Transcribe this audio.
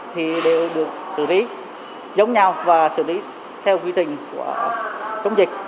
thì đều được xử lý giống nhau và xử lý theo quy trình của chống dịch